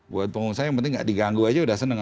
buat pengusaha yang penting gak diganggu aja udah senang